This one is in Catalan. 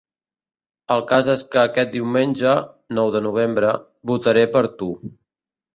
El cas és que aquest diumenge, nou de novembre, votaré per tu.